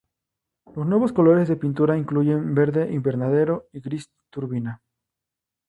Los nuevos colores de pintura incluye Verde Invernadero y Gris Turbina.